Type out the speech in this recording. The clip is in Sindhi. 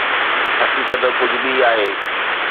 حقيقت ڪجهه ٻي آهي.